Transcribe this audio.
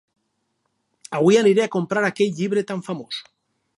Avui aniré a comprar aquell llibre tan famós.